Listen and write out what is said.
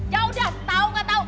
ya udah tau gak tau